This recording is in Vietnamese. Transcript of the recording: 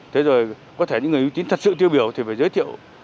thế rồi có thể những người ưu tín thật sự tiêu biểu thì phải giới thiệu